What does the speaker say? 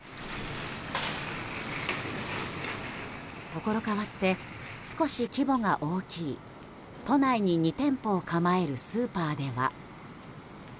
ところ変わって少し規模が大きい都内に２店舗を構えるスーパーでは。